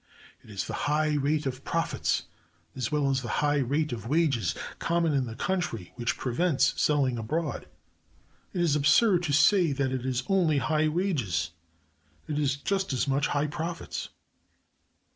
It is the high rate of profits as well as the high rate of wages common in the country which prevents selling abroad. It is absurd to say that it is only high wages: it is just as much high profits.